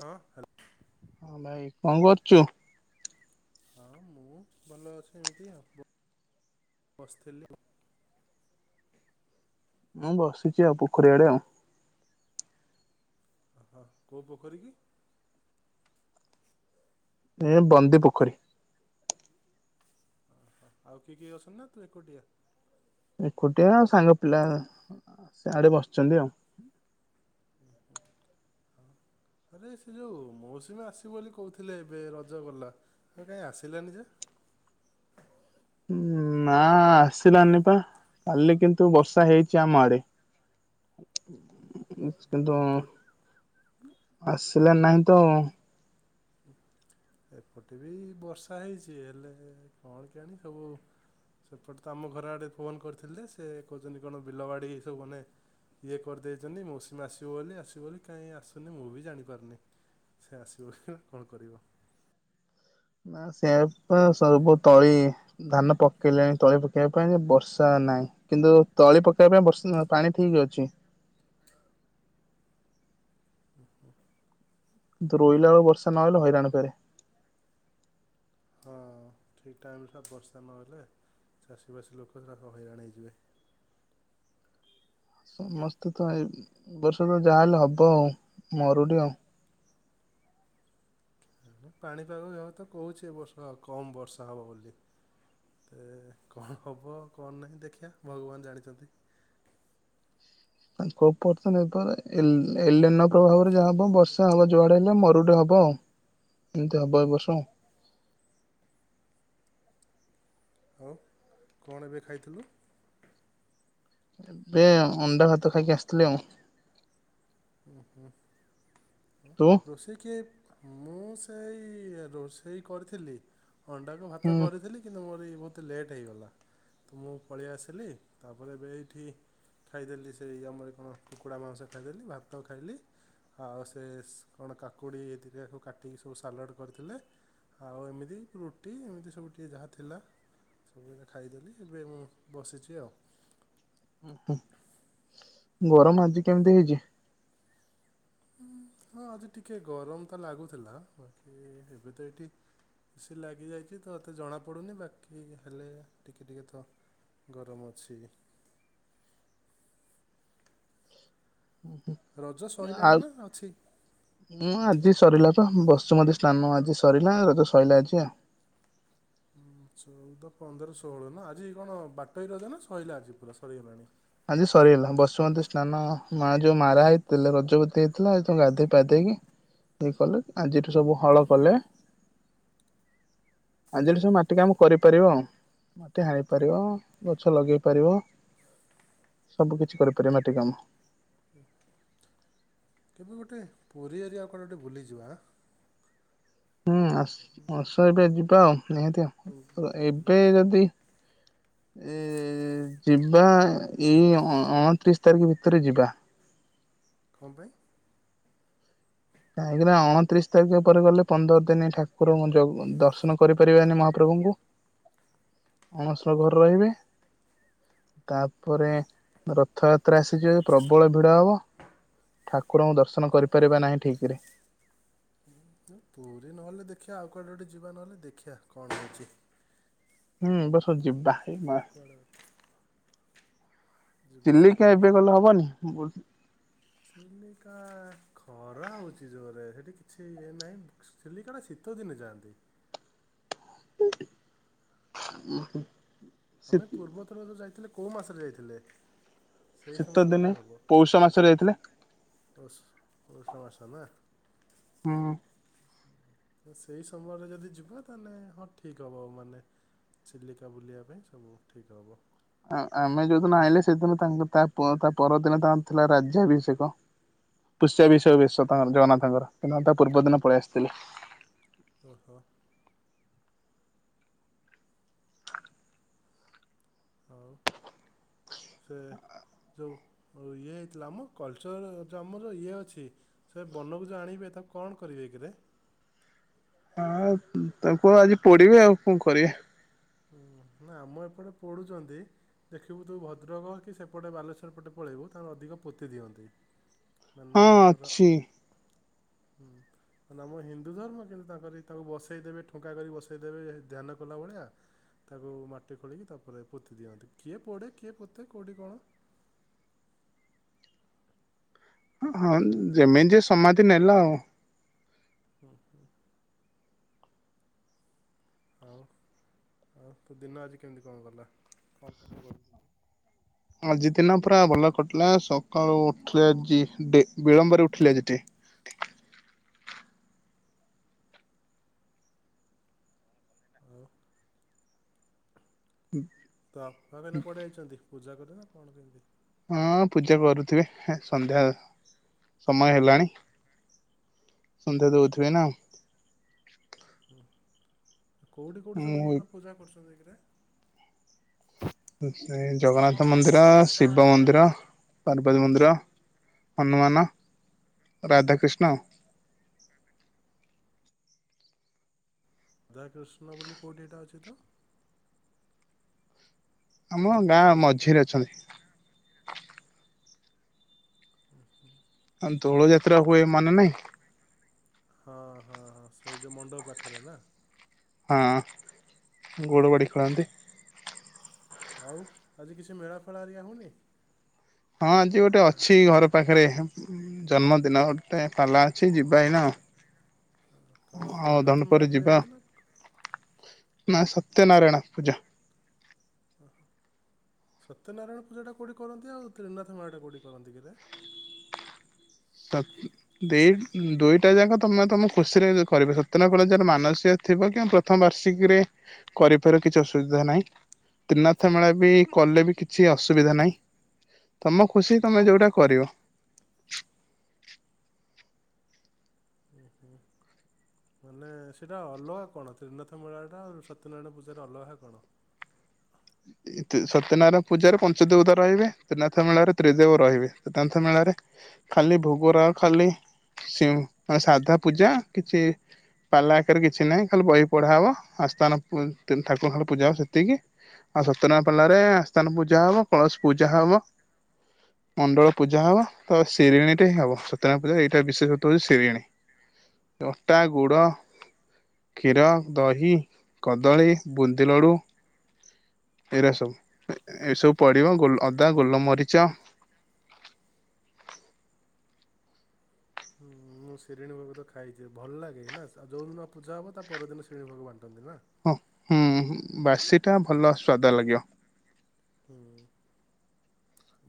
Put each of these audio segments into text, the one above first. ହଁ। [unintelligible] ଭାଇ କଅଁ କରୁଛୁ। ହଁ ମୁଁ ଭଲ ଅଛି ଏମିତି ଆଉ ବସିଥିଲି। ମୁଁ ବସିଚି ଆଉ ପୋଖରୀଆଡେ ଆଉ। ହଁ କୋଉ ପୋଖରୀ କି? ଏ ବନ୍ଦୀ ପୋଖରୀ। ଓହୋ। ଆଉ କିଏ କିଏ ଅଛନ୍ ନା ତୁ ଏକୁଟିଆ। ଏକୁଟିଆ ଆ ସାଙ୍ଗ ପିଲାଆଡେ ବସିଛନ୍ତି ଆଉ। ହଁ। ଆରେ ସେ ଯୋଉ ମୌସୁମି ଆସିବି ବୋଲି କହୁଥିଲେ ଏବେ ରଜ ଗଲା ହେଲେ କାଇଁ ଆସିଲାନି ଯେ ନା ଆସିଲାନି ପା କାଲି କିନ୍ତୁ ବର୍ଷା ହେଇଛି ଆମ ଆଡେ। ହଃ। [unintelligible] କିନ୍ତୁ ଆସିଲା ନାହିଁ ତ। ଏପଟେ ବି ବର୍ଷା ହେଇଛି ହେଲେ କଣ କେଇଆଣି ସବୁ। ସେପଟେ ତ ଆମ ଘର ଆଡ଼େ ଫୋନ୍ କରିଥିଲେ ସେ କହୁଛନ୍ତି କଣ ବିଲବାଡ଼ି ଏ ସବୁ ମାନେ ଇଏ କରିଦେଇଛନ୍ତି ମୈସିମି ଆସିବ ବୋଲି ଆସିବ ବୋଲି କାହିଁ ଆସୁନି ମୁଁ ବି ଜାଣିପାରୁନି। ସେ ଆସିବ ବୋଲି କଣ କରିବ। ସେଇପା ସବୁ ତଳି ଧାନ ପକେଇଲେଣି ତଳି ପକେଇବା ପାଇଁ ବର୍ଷା ନାହିଁ। କିନ୍ତୁ ତଳି ପକେଇବା ପାଇଁ ବର୍ଷ ପାଣି ଠିକ୍ ଅଛି। ହୁ ହୁ। ରୋଇଲା ବେଳ ବର୍ଷା ନହଲେ ହଇରାଣ ଫେରେ। ହଁ ଠିକ୍ ଟାଇମ୍ର ସାର୍ ବର୍ଷା ନହେଲେ ଚାଷୀ ବାସି ଲୋକ ସବୁ ହଇରାଣ ହେଇଯିବେ। ସମସ୍ତେ ତ ଏ ବର୍ଷ ତ ଯାହାହେଲେ ହବ ଆଉ ମରୁଡି ଆଉ। ପାଣିପାଗ ଯେହେତୁ କହୁଛି ବର୍ଷ କମ୍ ବର୍ଷା ହେବ ବୋଲି। ତ କଣ ହେବ କଣ ନାହିଁ ଦେଖିବା ଭଗବାନ ଜାଣିଛନ୍ତି। ଖୋବ ପର୍ ଏପ ଏଲେନ ପ୍ରଭାବରେ ଯାହା ହବ ବର୍ଷା ହବ ଯୁଆଡେ ହେଲେ ମରୁଡେ ହବ ଆଉ। [unintelligible] ଏମିତି ହବ ଏ ବର୍ଷ ଆଉ ହଉ କଣ ଏବେ ଖାଇଥିଲୁ ଏ ଅଣ୍ଡା ଭାତ ଖାଇକି ଆସିଥିଲି ଆଉ ହୁ ହୁଁ ତୁ? ରୋଷେଇ କିଏ? ମୁଁ ସେଇ ରୋଷେଇ କରିଥିଲି ଅଣ୍ଡାକୁ ଭାତ ହୁଁ କରିଥିଲି କିନ୍ତୁ ମୋର ଏୟୀ ବହୁତ ଲେଟ୍ ହେଇଗଲା ତ ମୁଁ ପଳେଇ ଆସିଲି ତାପରେ ଏବେ ଏଇଠି ଖାଇଦେଲି ସେଇ ଆମର କଣ କୁକୁଡ଼ା ମାଂସ ଖାଇଦେଲି ଭାତ ଖାଇଲି ଆଉ ସେ କଣ କାକୁଡ଼ି ଏ ଦିଟା କୁ କାଟିକି ସବୁ ସାଲାଡ଼ କରିଥିଲେ ଆଉ ଏମିତି ରୁଟି ଏମିତି ସବୁ ଟିକେ ଯାହା ଥିଲା ସବୁଏଇନା ଖାଇଦେଲି ଏବେ ମୁଁ ବସିଛି ଆଉ ହ ଗରମ ଆଜି କେମିତି ହେଇଛି? ହଁ ହଁ ଆଜି ଟିକେ ଗରମ ତ ଲାଗୁଥିଲା ବାକି ଏବେ ତ ଏଇଠି ଏ ସି ଲାଗିଯାଇଛି ତ ଏତେ ଜଣାପଡ଼ୁନି ବାକି ହେଲେ ଟିକେ ଟିକେ ତ ଗରମ ଅଛି ଯେ ହ ରଜ ସଇଲାଣି ନା ହଁ ଅଛି? ଆଉ ହଁ ଆଜି ସରିଲା ତ ବସୁମତି ସ୍ନାନ ଆଜି ସରିଲା ରଜ ସରିଲା ଆଜି ଆଉ ଚଉଦ ପନ୍ଦର ଷୋହଳ ନା ଆଜି କଣ ବାଟୋଇ ରଜ ନା ସଇଲା ଆଜି ପୁରା ସରିଗଲାଣି ଆଜି ସରିଗଲା ବସୁମତୀ ସ୍ନାନ ମା ଯୋଉ ମାରା ହେଇଥିଲେ ରଜବତୀ ହେଇଥିଲା ଆଜି ତାକୁ ଗାଧେଇ ପାଧେଇକି ଇଏ କଲେ ଆଜିଠୁ ସବୁ ହଳ କଲେ ଆଜିଠୁ ସବୁ ମାଟି କାମ କରିପାରିବ ଆଉ ମାଟି ହାଣି ପାରିବ ଗଛ ଲଗେଇ ପାରିବ ସବୁ କିଛି କରିପାରିବ ମାଟି କାମ କେବେ ଗୋଟେ ପୁରୀ ଏରିଆ କୁ କୁଆଡ଼େ ଗୋଟେ ବୁଲିଯିବାଁ ହୁଁ ଆସ୍ ଆସ ଏବେ ଯିବା ଆଉ ନିହାତି ପୁରୀ ଏବେ ଯଦି ଏ ଯିବା ଏଇ ଅ -ଅଣତିରିଶ ତାରିଖ ଭିତରେ ଯିବା କଣ ପାଇଁ କାହିଁକିନା ଅଣତିରିଶ ତାରିଖ ପରେ ଗଲେ ପନ୍ଦର ଦିନ ଠାକୁରଙ୍କୁ ଯୋଉ ଦର୍ଶନ କରିପାରିବାନି ମହାପ୍ରଭୁଙ୍କୁ [inaudible] ଅଣସ ର ଘରେ ରହିବେ ତାପରେ ରଥଯାତ୍ରା ଆସିଯିବ ପ୍ରବଳ ଭିଡ ହବ ଠାକୁରଙ୍କୁ ଦର୍ଶନ କରିପାରିବା ନାହିଁ ଠିକ ରେ ପୌ ପୁରୀ ନହେଲେ ଦେଖିବା ଆଉ କୁଆଡ଼େ ଗୋଟେ ଯିବା ନହେଲେ ଦେଖିବା କଣ ହେଉଛି ହୁଁ ଏ ବର୍ଷ ଯିବା ଦେଖିବା ଇ ମା [unintelligible] ଯିବା ଗୋଟେ ଚିଲିକା ଏବେ ଦେଖିବା ଗଲେ ହବନି ଚିଲିକା ଖରା ହଉଛି ଜୋରେ ସେଠି କିଛି ଇଏ ନାହିଁ ଚିଲିକାଟା ଶୀତଦିନେ ଯାଆନ୍ତି। [inaudible] ଆମେ ପୂର୍ବଥର ଯୋଉ ଯାଇଥିଲେ କୋଉ ମାସରେ ଯାଇଥିଲେ? ସେଇ ଶୀତ ସମୟରେ ଗଲେ ଦିନେ ପୌଷ ମାସରେ ଯାଇଥିଲେ ପୌସ୍ ପୌଷ ମାସ ନାଁ ହଁ ହ ସେଇ ସମୟରେ ଯଦି ଯିବ ତାହେଲେ ହଁ ଠିକ ହବ ଆଉ ମାନେ ଚିଲିକା ବୁଲିବା ପାଇଁ ସବୁ ଠିକ୍ ହବ ଆ ଆମେ ଯୋଉଦିନ ଆଇଲେ ସେଦିନ ତାଙ୍କ ତା ପ ତା ପରଦିନ ତାଙ୍କର ଥିଲା ରାଜ୍ୟାଭିଷେକ ପୁଷ୍ୟା ବିଷୟ ବେଶ ତାଙ୍କର ଜଗନ୍ନାଥଙ୍କର ସେ ଦିନ ତା ପୂର୍ବ ଦିନ ପଳେଇ ଆସିଥିଲେ ଓହୋ ଆଉ ସେ ଯେଉଁ ଇଏ ହେଇଥିଲା ଆମ କଲଚର ଯେ ଆମର ଇଏ ଅଛି ସେ ବନଭୂଜ ଆଣିବେ ତାଙ୍କୁ କଣ କରିବେ କିରେ। ହଁ ତାକୁ ଆଜି ପୋଡ଼ିବେ ଆଉ କଣ କରିବେ। ହୁଁ ନା ଆମ ଏପଟେ ପୋଡୁଛନ୍ତି। ଦେଖିବୁ ତୁ ଭଦ୍ରକ କି ସେପଟେ ବାଲେଶ୍ୱର ପଟେ ପଳେଇବୁ ତାଙ୍କର ଅଧିକ ପୋତି ଦିଅନ୍ତି। ମାନେ ହଁ ଆମର ଅଛି। ହୁଁ ମାନେ ଆମର ହିନ୍ଦୁ ଧର୍ମ କିନ୍ତୁ ତାଙ୍କରି ତାଙ୍କୁ ବସେଇଦେବେ ଠୁଙ୍କା କରି ବସ ବସେଇ ଦେବେ ଏ ଧ୍ୟାନ କଲା ଭଳିଆ ତାକୁ ମାଟି ଖୋଳିକି ତାପରେ ପୋତି ଦିଅନ୍ତି କିଏ ପୋଡ଼େ କିଏ ପୋତେ କୋଉଠି କଣ। ହଁ ସେ ଯେମିତି ଯିଏ ସମାଧି ନେଲା ଆଉ। ହୁଁ ହୁଁ। ଆଉ ଆଉ ତୋ ଦିନ ଆଜି କେମିତି କଣ ଗଲା [unintelligible] ଆଜି ଦିନ ପୁରା ଭଲରେ କଟିଲା ସକାଳୁ ଉଠିଲି ଆଜି ଡି ବିଳମ୍ବରେ ଉଠିଲି ଆଜି ଟିକେ। ଆଉ ତ [unintelligible] କୁଆଡେ ଯାଇଛନ୍ତି? ପୂଜା କରେ ନାଁ କଣ କେମିତି? ହଁ ପୂଜା କରୁଥିବେ ହେ ସନ୍ଧ୍ୟା ସମୟ ହେଲାଣି। ସନ୍ଧ୍ୟା ଦଉଥିବେ ଏଇନା। ହୁଁ କୋଉଠି କୋଉଠି ସବୁ ମୁଁ ଏଇନେ ପୂଜା କରୁଛନ୍ତି କିରେ? ଶ୍ରୀ ଜଗନ୍ନାଥ ମନ୍ଦିର ଶିବ ମନ୍ଦିର ପାର୍ବତୀ ମନ୍ଦିର। ହନୁମାନ ରାଧେକୃଷ୍ଣ ଆଉ। ରାଧାକୃଷ୍ଣ ବୋଲି କୋଉଠି ଏଟା ଅଛି ତ? ଆମ ଗାଁ ମଝିରେ ଅଛନ୍ତି। ଉଁ ହୁଁ। ଆମ୍ ଦୋଳ ଯାତ୍ରା ହୁଏ ମନେ ନାଇଁ? ହଁ ହଁ ହଁ ସେଇ ଯୋଉ ମଣ୍ଡପ ପାଖରେ ନା? ହଁ ଗୋଡ଼ ବାଡ଼ି। ହଁ ଆଉ ଆଜି କିଛି ମେଳା ଫେଳା ହେରିଆ ହଉନି? ହଁ ଆଜି ଗୋଟେ ଅଛି ଘର ପାଖରେ ଉଁ ଜନ୍ମଦିନ ଗୋଟେ ପାଲା ଅଛି ଯିବା ଏଇନା ଆଉ। ହଁ କଣ ତ୍ରିନାଥ ମେଳା କରିୟନ୍ତି ନାଁ କଣ? ନାଁ ସତ୍ୟନାରାୟଣ ପୂଜା। ଓ ହୋ ସତ୍ୟନାରାୟଣ ପୂଜାଟା କୋଉଁଠି କରନ୍ତି ଆଉ ତ୍ରିନାଥ ମେଳାଟା କୋଉଁଠି କରନ୍ତି କିରେ? ତ ଦି ଦୁଇଟା ଯାକ ତମେ ତମ ଖୁସିରେ କରିବ ସତ୍ୟନାରାୟଣ ପୂଜା ଯାର ମାନସିକ ଥିବ କି ପ୍ରଥମ ବାର୍ଷିକୀରେ କରିପାରିବ କିଛି ଅସୁବିଧା ନାହିଁ। ତ୍ରିନାଥ ମେଳା ବି କଲେ ବି କିଛି ଅସୁବିଧା ନାଇଁ ତମ ଖୁସି ତମେ ଯୋଉଟା କରିବ। ଉଁ ହୁଁ। ମାନେ ସେଇଟା ଅଲଗା କଣ ତ୍ରିନାଥ ମେଳାଟା ଆଉ ସତ୍ୟନାରାୟଣ ପୂଜାର ଅଲଗା କଣ? ଇ ତି ସତ୍ୟନାରାୟଣ ପୂଜାରେ ପଞ୍ଚଦେବତା ରହିବେ ତ୍ରିନାଥ ମେଳାରେ ତ୍ରିଦେବ ରହିବେ ତ୍ରିନାଥ ମେଳାରେ ଖାଲି ଭୋଗରାଗ ଖାଲି ସି ସାଧା ପୂଜା କିଛି ପାଲା ଆକାରରେ କିଛି ନାହିଁ ଖାଲି ବହି ପଢ଼ା ହବ ଆସ୍ଥାନ ପୁ ତି ନି ଠାକୁରଙ୍କ ପୂଜା ହବ ସେତିକି। ଆଉ ସତ୍ୟନାରାୟଣ ପାଲାରେ ଆସ୍ଥାନ ପୂଜା ହବ କଳସ ପୂଜା ହବ। [inaudible] ମଣ୍ଡଳ ପୂଜା ହବ ତ ସିରିଣୀ ଟେ ହବ ସତ୍ୟାନାରଣ ପୂଜାର ଏଇଟା ବିଶେଷତ୍ୱ ହଉଛି ସିରିଣୀ। ଅଟା ଗୁଡ଼ କ୍ଷୀର ଦହି କଦଳୀ ବୁନ୍ଦି ଲଡ଼ୁ। ଏଇରା ସବୁ ଏ ଏସବୁ ପଡିବ ଗୋଲ ଅଦା ଗୋଲମରିଚ। ହୁଁ ମୁଁ ଶିରିଣୀ ଭୋଗ ତ ଖାଇଛି ଭଲ ଲାଗେ ନା ଯଉଁଦିନ ପୂଜା ହବ ତା ପରଦିନ ଶିରିଣୀ ଭୋଗ ବାଣ୍ଟନ୍ତି ନା? ହଁ ହୁଁ ବାସି ଟା ଭଲ ସ୍ଵାଦ ଲାଗିବ। ହୁଁ।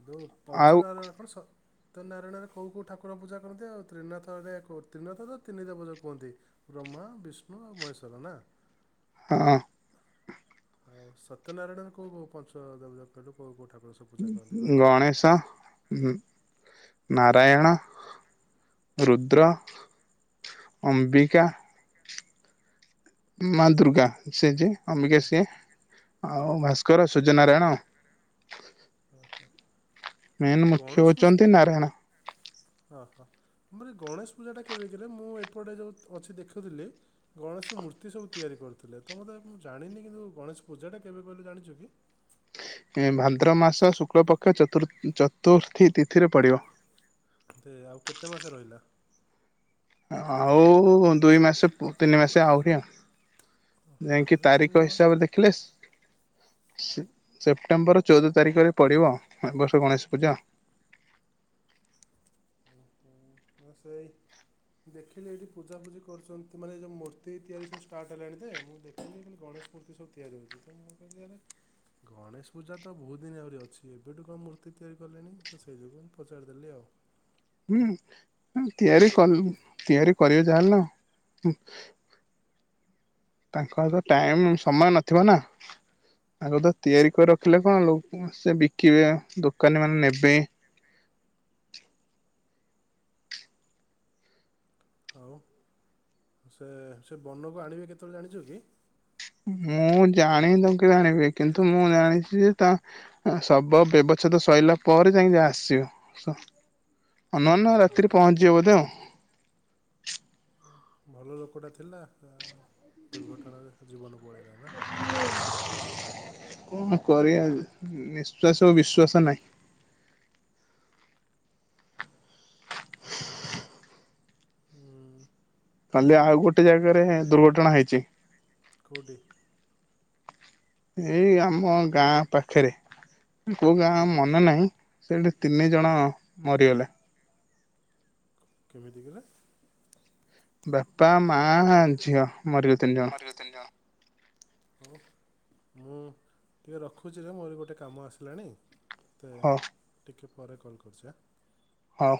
ଯଉ ଆଉ ପଞ୍ଚନାରାୟାଣ କଣ ସ ସତ୍ୟନାରାୟଣରେ କଉ କଉ ଠାକୁର ପୂଜା କରନ୍ତି ଆଉ ତ୍ରିନାଥରେ କୋଉ ତ୍ରିନାଥରେ ତିନିଦେବତା କୁହନ୍ତି। ବ୍ରହ୍ମା ବିଷ୍ଣୁ ଆଉ ମହେଶ୍ଵର ନା? ହଁ। ଆଉ ସତ୍ୟନାରାୟଣରେ କୋଉ କୋଉ ପଞ୍ଚ ଦେବତା କଇଲୁ କଉ କଉ ଠାକୁର ସବୁ। ପୂଜା କରନ୍ତି ଉଁ କହିଲୁ ଗଣେଶ ଉଁ ନାରାୟଣ। ରୁଦ୍ର, ଅମ୍ବିକା ମାଆ ଦୁର୍ଗା ସିଏ ଯିଏ ଅମ୍ବିକା ସିଏ ଆଉ ଭାସ୍କର ସୂର୍ଯ୍ୟ ନାରାୟଣ ଓହୋ ମେନ୍ ଉଁ ମୁଖ୍ୟ ଗଣେଶ ପୂଜ୍ ହଉଛନ୍ତି ନାରାୟଣ ଅହ ଆମର ଏଇ ଗଣେଶ ପୂଜାଟା କେବେ କିରେ ମୁଁ ଏପଟେ ଯୋଉ ଅଛି ଦେଖୁଥିଲି ଗଣେଶ ମୂର୍ତ୍ତି ସବୁ ତିଆରି କରୁଥୁଲେ ତ ମତେ ମୁଁ ଜାଣିନି କିନ୍ତୁ ଗଣେଶ ପୂଜାଟା କେବେ କହିଲୁ ଜାଣିଚୁ କି? ଏ ଭାଦ୍ରବ ମାସ ଶୁକ୍ଳ ପକ୍ଷ ଚତୁର୍ ଚତୁର୍ଥୀ ତିଥିରେ ପଡିବ। କେତେ ଆଉ ମାସେ ରହିଲା? ଆଉ ଦୁଇ ମାସେ ପୁ ତିନି ମାସେ ଆହୁରି ଆ ଯାଇକି ଆହୁରି ତିନି ତାରିଖ ମାସ ହିସାବରେ ଦେଖିଲେ ସ୍ ସ୍-ସେପ୍ଟେମ୍ବର ଚୋଉଦ ତାରିଖରେ ପଡ଼ିବ ଏ ବର୍ଷ ଗଣେଶ ପୂଜା। ଉଁହୁଁ ନା ସେଇ ଦେଖିଲି ଏଇଠି ପୂଜାପୂଜି କରୁଚନ୍ତି ମାନେ ଏଇ ଯୋଉ ମୂର୍ତ୍ତି ତିଆରି ସବୁ ଷ୍ଟାର୍ଟ ହେଲାଣି ତେ ମୁଁ ଦେଖିଲି କହିଲି ଗଣେଶ ମୂର୍ତ୍ତି ସବୁ ତିଆରି ହୋଉଚି ତ ମୁଁ କହିଲି ଆରେ ଗଣେଶ ପୂଜା ତ ବୋହୁତ ଦିନ ଆହୁରି ଅଛି ଏବେଠୁ କଣ ମୂର୍ତ୍ତି ତିଆରି କଲେଣି ତ ସେଇ ଯୋଗୁ ହିଁ ପଚାରିଦେଲି ଆଉ। ହୁଁ ଉଁ ତିଆରି କ ତିଆରି କରିବେ ଯାହେଲେନ ହୁଁ। ତାଙ୍କ ହାତରେ ଟାଇମ ସମୟ ନଥିବ ନା। ଆଗତ ତିଆରି କରି ରଖିଲେ କଣ ଲୋ ଅଁ ସେ ବିକିବେ ଦୋକାନୀମାନେ ନେବେ ଆଉ ସେ ସେ ବନକୁ ଆଣିବେ କେତଳେ ଜାଣିଚୁ କି? ମୁଁ ଜାଣିନି ତାକୁ କେବେ ଆଣିବେ କିନ୍ତୁ ମୁଁ ଜାଣିଚି ଯେ ତା ଆଁ ସବ ବ୍ୟବଚ୍ଛେଦ ସଇଲା ପରେ ଯାଇଁକି ଯାହା ଆସିବ ସ ଅନୁମାନ ରାତିରେ ହଁ ପହଞ୍ଚଯିବ ବୋଧେ ଆଉ। ଭଲ ଲୋକଟା ଥିଲା ଆ ଦୁର୍ଘଟଣାରେ ଜୀବନ ପଳେଇଲା ନା। କଣ କରିବା ନିଶ୍ଵାସକୁ ବିଶ୍ଵାସ ନାହିଁ। କାଲି ଆଉ ଗୋଟେ ଜାଗାରେ ଦୁର୍ଘଟଣା ହେଇଚି। କୋଉଠି? ଏଇ ଆମ ଗାଁ ପାଖେରେ କୋଉ ଗାଁ ଆଉ କେଉଁଠି ମାନେ ନାହିଁ। ସେଠି ତିନି ଜଣ ମରିଗଲେ। କେମିତି କିରେ? ବାପା, ମାଆ, ଝିଅ ମରିବେ ତିନି ଜ ଯୋଉ ତିନଜଣ। ହଁ ମୁଁ ଟିକେ ରଖୁଚି ରେ ମୋର ଗୋଟେ କାମ ଆସିଲାଣି। ତତେ ହଉ ଟିକେ ପରେ କଲ୍ କରୁଚି ଆ। ହଉ।